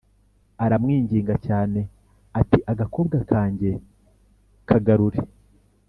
Aramwinginga cyane ati Agakobwa kanjye kagarure